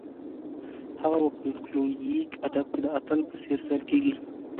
هغه په فولکلوریک ادب کې د اتل په څېر ستایل کیږي.